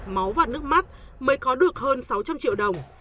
máu và nước mắt mới có được hơn sáu trăm linh triệu đồng